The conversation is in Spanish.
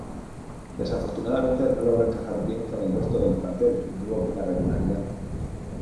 Desafortunadamente, no logró encajar bien con el resto del plantel y tuvo poca regularidad.